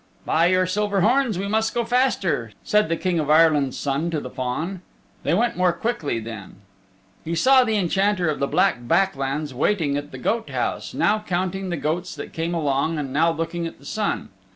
"By your silver horns, we must go faster," said the King of Ireland's Son to the Fawn. They went more quickly then. He saw the Enchanter of the Black Back Lands waiting at the goat house, now counting the goats that came along and now looking at the sun.